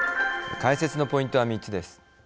解説のポイントは３つです。